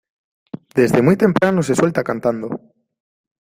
Desde muy temprano se suelta cantando.